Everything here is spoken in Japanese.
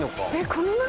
この中？